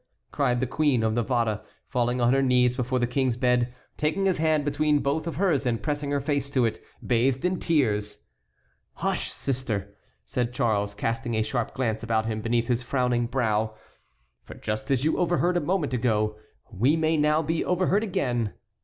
cried the Queen of Navarre, falling on her knees before the King's bed, taking his hand between both of hers, and pressing her face to it, bathed in tears. "Hush, sister!" said Charles, casting a sharp glance about him beneath his frowning brow. "For just as you overheard a moment ago, we may now be overheard again."